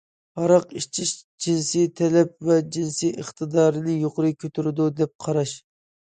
ھاراق ئىچىش جىنسىي تەلەپ ۋە جىنسىي ئىقتىدارنى يۇقىرى كۆتۈرىدۇ، دەپ قاراش.